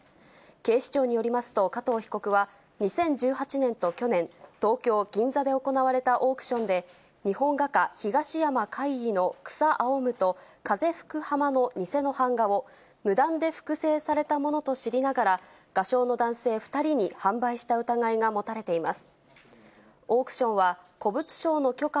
警視庁によりますと、加藤被告は、２０１８年と去年、東京・銀座で行われたオークションで、日本画家、東山魁夷の草青むと風吹く浜の偽の版画を、無断で複製されたものと知りながら、画商の男性２人に販売した疑いが持たれています。